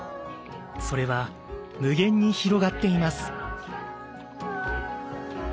それは無限に広がっています。